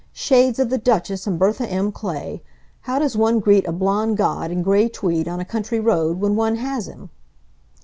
Shades of the "Duchess" and Bertha M. Clay! How does one greet a blond god in gray tweed on a country road, when one has him!